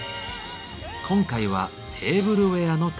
今回は「テーブルウエアの旅」。